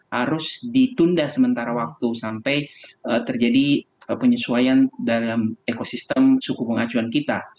harus ditunda sementara waktu sampai terjadi penyesuaian dalam ekosistem suku bunga acuan kita